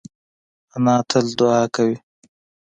انا تل دعا کوي